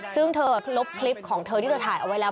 ซึ่งเธอลบคลิปของเธอที่เธอถ่ายเอาไว้แล้ว